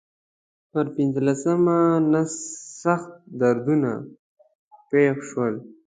پر پنځلسمه نس سخت دردونه پېښ شول.